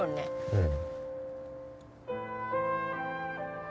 うん。